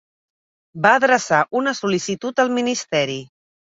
Va adreçar una sol·licitud al ministeri.